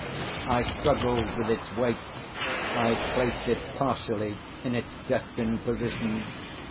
I struggled with its weight; I placed it partially in its destined position.